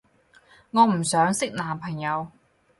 我唔想識男朋友